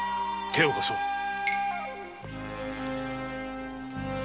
手を貸そう。